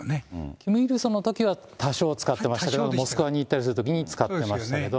キム・イルソンのときは多少使ってましたけど、モスクワに行ったりするときに使ってましたけど。